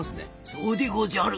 そうでごじゃる。